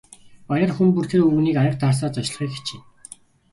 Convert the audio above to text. Баяраар хүн бүр тэр өвгөнийг аяга дарсаар зочлохыг хичээнэ.